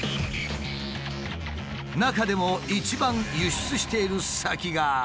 中でも一番輸出している先が。